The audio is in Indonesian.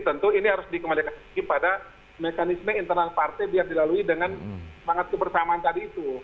tentu ini harus dikembalikan lagi pada mekanisme internal partai biar dilalui dengan semangat kebersamaan tadi itu